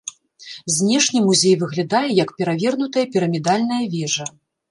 Знешне музей выглядае як перавернутая пірамідальная вежа.